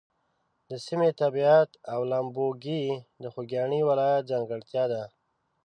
د سیمې طبیعت او لامبوګۍ د خوږیاڼي ولایت ځانګړتیا ده.